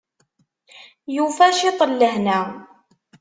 Yufa ciṭ n lehna.